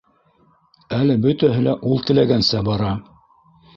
Әле бөтәһе лә ул теләгәнсә бара!